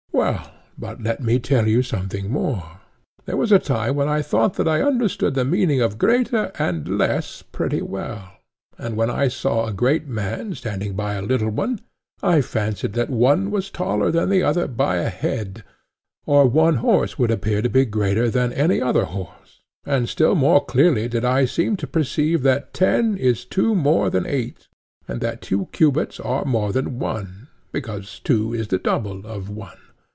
Well; but let me tell you something more. There was a time when I thought that I understood the meaning of greater and less pretty well; and when I saw a great man standing by a little one, I fancied that one was taller than the other by a head; or one horse would appear to be greater than another horse: and still more clearly did I seem to perceive that ten is two more than eight, and that two cubits are more than one, because two is the double of one.